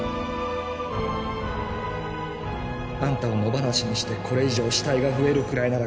あんたを野放しにしてこれ以上死体が増えるくらいなら